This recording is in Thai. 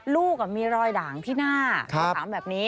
ลูกมีรอยด่างที่หน้าเขาถามแบบนี้